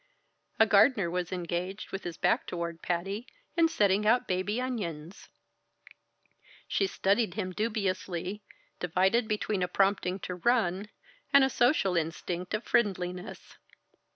A gardener was engaged, with his back toward Patty, in setting out baby onions. She studied him dubiously, divided between a prompting to run, and a social instinct of friendliness.